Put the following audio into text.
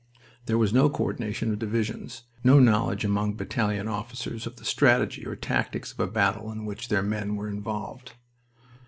There was no co ordination of divisions; no knowledge among battalion officers of the strategy or tactics of a battle in which their men were involved.